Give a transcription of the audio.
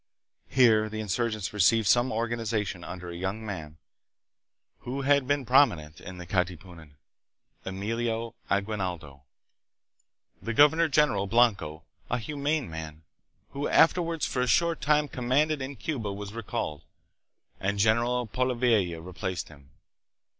Here the insurgents received some organization under a young man, who had been prominent in the Katipunan Emilio Aguinaldo. The governor general, Blanco, a humane man, who after wards for a short time commanded in Cuba, was recalled, and General Polavieja replaced him.